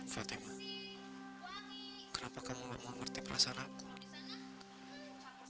fatima kenapa kamu gak mau ngerti perasaan aku